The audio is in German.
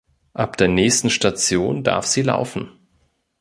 Ab der nächsten Station darf sie laufen.